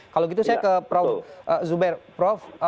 kalau gitu saya ke prof